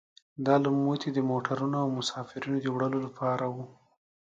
دا لوموتي د موټرونو او مسافرینو د وړلو لپاره وو.